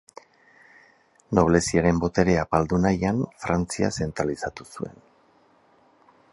Nobleziaren boterea apaldu nahian, Frantzia zentralizatu zuen.